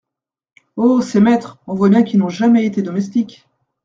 Oh ! ces maîtres, on voit bien qu’ils n’ont jamais été domestiques !